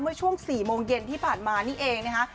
เมื่อช่วง๔โมงเย็นที่ผ่านมานี่เองนะคะ